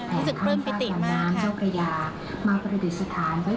รู้สึกเพิ่มปิติมากค่ะ